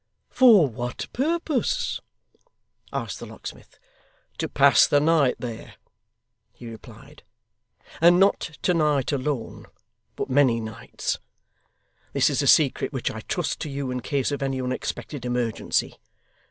'For what purpose?' asked the locksmith. 'To pass the night there,' he replied; 'and not to night alone, but many nights. This is a secret which I trust to you in case of any unexpected emergency.